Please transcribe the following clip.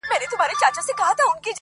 ویل گوره تا مي زوی دئ را وژلی-